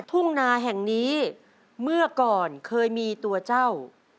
ทุ่งนาแห่งนี้เมื่อก่อนเคยมีตัวเจ้า